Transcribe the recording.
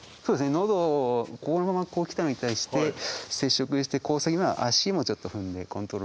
喉をこのままこう来たのに対して接触して交差今足もちょっと踏んでコントロールしてますね。